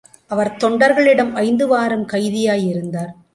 அவர் தொண்டர்களிடம் ஐந்து வாரம் கைதியாயிருந்தார்.